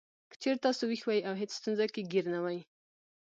که چېرې تاسو وېښ وئ او هېڅ ستونزو کې ګېر نه وئ.